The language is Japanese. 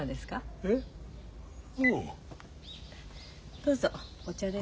どうぞお茶です。